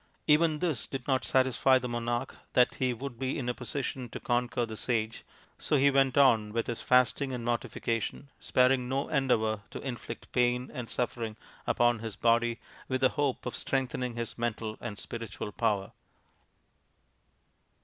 Even this did not satisfy the monarch that he would be in a position to conquer the sage, so he went on with his fasting and mortifi cation, sparing no endeavour to inflict pain and suffering upon his body with the hope of strengthen ing his mental and spiritual power.